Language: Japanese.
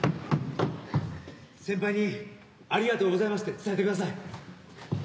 先輩に「ありがとうございます」って伝えてください。